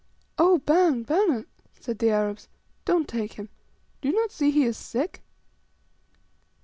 "Oh, bana, bans," said the Arabs, "don't take him. Do you not see he is sick?"